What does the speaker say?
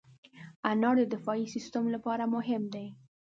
انار د دفاعي سیستم لپاره مهم دی.